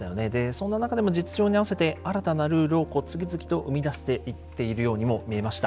そんな中でも実情に合わせて新たなルールを次々と生み出していっているようにも見えました。